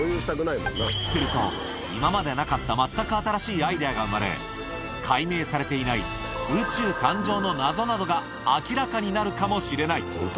すると、今までなかった全く新しいアイデアが生まれ、解明されていない宇宙誕生の謎などが明らかになるかもしれない。